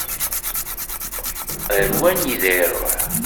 Ar wanida i iṛuḥ?